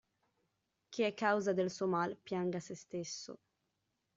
Chi è causa del suo mal, pianga sé stesso.